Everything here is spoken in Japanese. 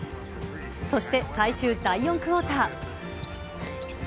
そして最終第４クオーター。